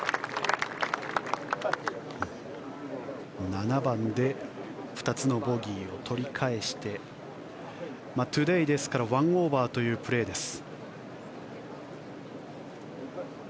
７番で２つのボギーを取り返してトゥデー１オーバーというプレーです。